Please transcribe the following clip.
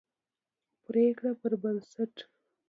پرېکړې پربنسټ